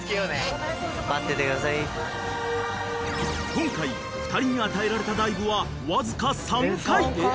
［今回２人に与えられたダイブはわずか３回］